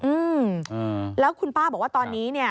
อืมแล้วคุณป้าบอกว่าตอนนี้เนี่ย